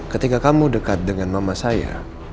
ketika kamu dekat dengan mama saya